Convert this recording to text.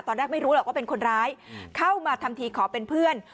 ไม่รู้หรอกว่าเป็นคนร้ายเข้ามาทำทีขอเป็นเพื่อน